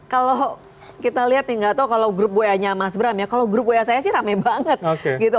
kalau kita lihat nih gak tau kalau grup boyanya mas bram ya kalau grup boyanya saya sih rame banget gitu